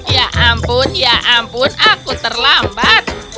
ya ampun ya ampun aku terlambat